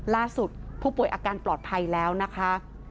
ล่าสุดผู้ป่วยอาการปลอดภัยแล้วนะคะ